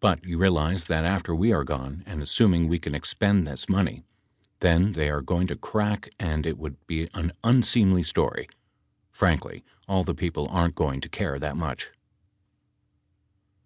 But you realize that after we are gone, and assuming we can expend this money, then they are going to crack and it would be an unseemly story. Frankly, all the people aren't going to care that much.